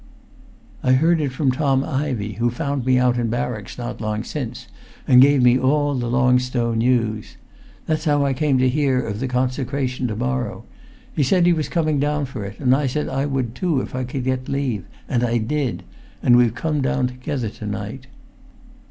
[Pg 387]"I heard it from Tom Ivey, who found me out in barracks not long since, and gave me all the Long Stow news. That's how I came to hear of the consecration to morrow. He said he was coming down for it, and I said I would too if I could get leave; and I did; and we've come down together to night."